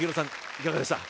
いかがでした？